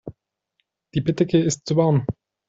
Die Bettdecke ist zu warm.